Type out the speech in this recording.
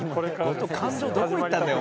「ホント感情どこ行ったんだよ？